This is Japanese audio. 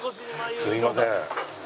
すいません。